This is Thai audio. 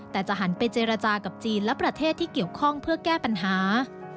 แต่จะหันไปเจรจากับจีนและประเทศที่เกี่ยวข้องเพื่อแก้ปัญหา